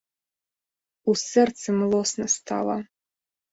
У сэрцы млосна стала.